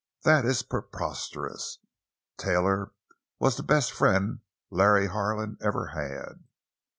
"That is preposterous! Taylor was the best friend Larry Harlan ever had!"